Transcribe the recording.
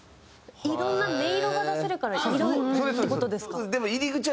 いろんな音色が出せるからって事ですか？